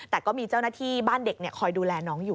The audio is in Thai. แต่ก็มีเจ้าหน้าที่บ้านเด็กคอยดูแลน้องอยู่